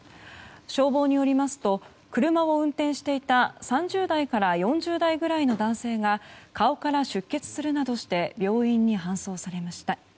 消防によりますと車を運転していた３０代から４０代ぐらいの男性が顔から出血するなどして病院に搬送されました。